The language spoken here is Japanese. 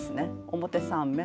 表３目。